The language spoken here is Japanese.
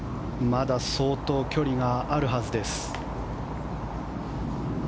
まだ相当距離があるはずです。